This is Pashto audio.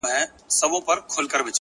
فکر د انسان داخلي نړۍ جوړوي،